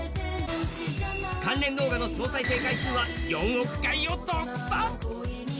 関連動画の総再生回数は４億回を突破！